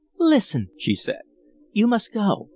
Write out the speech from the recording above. "Listen," she said. "You must go.